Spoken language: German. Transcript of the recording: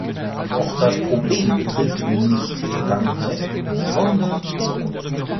Doch das Problem betrifft nicht die Vergangenheit, sondern die Zukunft.